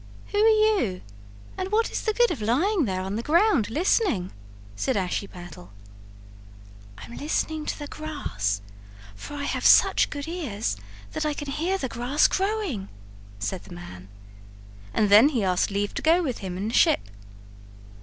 "Who are you, and what is the good of lying there on the ground listening?" said Ashiepattle. "I'm listening to the grass, for I have such good ears that I can hear the grass growing," said the man. And then he asked leave to go with him in the ship.